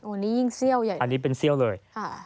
อันนี้ยิ่งเซี่ยวใหญ่อันนี้เป็นเซี่ยวเลยค่ะ